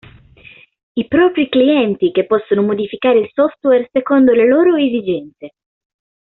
I propri clienti che possono modificare il software secondo le loro esigenze.